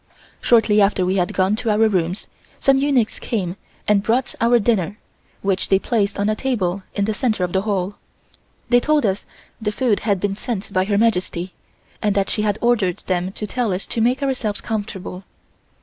Shortly after we had gone to our rooms, some eunuchs came and brought our dinner, which they placed on a table in the center of the hall. They told us the food had been sent by Her Majesty and that she had ordered them to tell us to make ourselves comfortable.